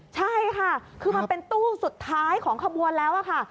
ใช่ค่ะคือมันเป็นตู้สุดท้ายของขบวนแล้วค่ะ